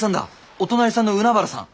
お隣さんの海原さん。